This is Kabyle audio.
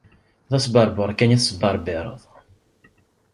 D asbeṛbeṛ kan i tesbeṛbiṛeḍ.